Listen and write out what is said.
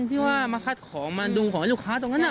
ที่ว่ามาคัดของมาดูของให้ลูกค้าตรงนั้น